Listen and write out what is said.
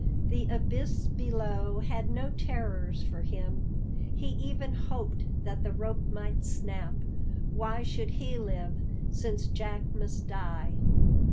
The abyss below had no terrors for him he even hoped that the rope might snap why should he live since Jack must die?